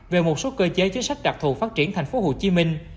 về một số cơ chế chính sách đặc thù phát triển thành phố hồ chí minh